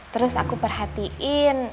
terus aku perhatiin